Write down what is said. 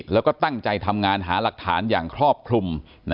แล้วก็ตั้งใจทำงานหาหลักฐานอย่างครอบคลุม